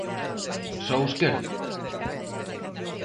Só o esquerdo?